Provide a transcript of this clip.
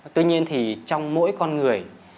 tuy nhiên thì trong mỗi con người